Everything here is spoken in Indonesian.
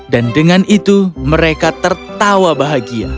dan dengan itu mereka tertawa bahagia